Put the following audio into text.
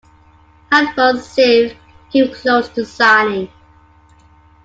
Hanwant Singh came close to signing.